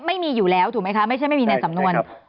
ไม่มีอยู่แล้วถูกไหมคะไม่ใช่ไม่มีในสำนวน